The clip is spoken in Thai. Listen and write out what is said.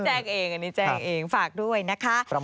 อันนี้แจ้งเองฝากด้วยนะคะ